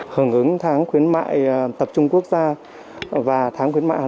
hưởng ứng tháng khuyến mại tập trung quốc gia và tháng khuyến mại hà nội